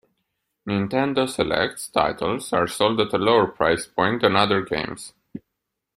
"Nintendo Selects" titles are sold at a lower price point than other games.